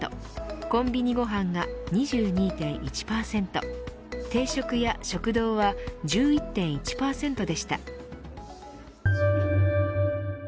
コンビニご飯が２２．１％定食屋、食堂は１１．１％でした。